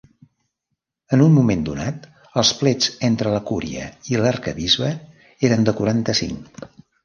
En un moment donat, els plets entre la cúria i l'arquebisbe eren de quaranta-cinc.